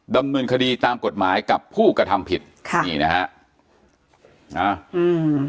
ดำเนินคดีตามกฎหมายกับผู้กระทำผิดนี่นะครับ